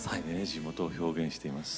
地元を表現しています。